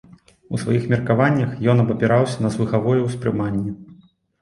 У сваіх меркаваннях ён абапіраўся на слыхавое ўспрыманне.